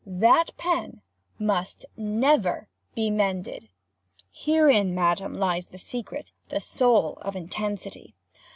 —that pen—must—never be mended! Herein, madam, lies the secret, the soul, of intensity.